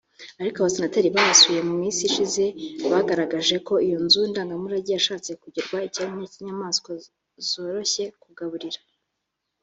ariko Abasenatri bahasuye mu minsi ishize bagaragaje ko iyo nzu ndangamurage yashatse kugirwa icyanya y’inyamaswa zoroshye kugaburira